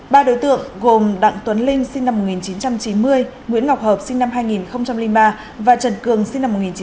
ba đối tượng gồm đặng tuấn linh sinh năm một nghìn chín trăm chín mươi nguyễn ngọc hợp sinh năm hai nghìn năm và trần cường sinh